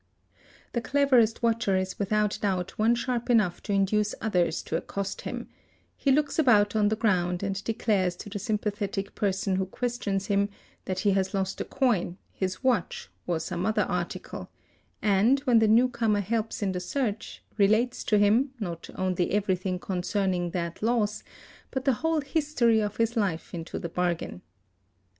The cleverest watcher is without doubt one sharp enough to induce others to accost him; he looks about on the ground and declares to the sympathetic person who questions him, that he has lost a coin, his watch, or some other article, and, when the newcomer helps in the search, relates to him, not only everything concerning that loss, but the whole history of his life into the bargain.